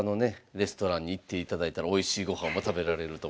レストランに行っていただいたらおいしい御飯も食べられると思います。